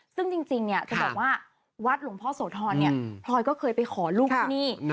ซึ่งจริงเนี่ยจะบอกว่าวัดหลวงพ่อโสธรเนี่ยพลอยก็เคยไปขอลูกที่นี่